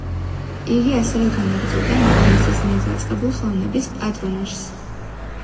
იგი ასევე განაგრძობდა მამამისის მიერ დაწყებულ ხელოვნების პატრონაჟს.